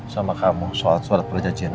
sama kamu soal surat perjanjian